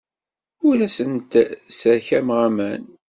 Ur asent-d-sserkameɣ aman.